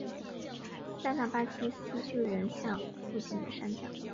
塞那阿巴斯巨人像附近的山脚。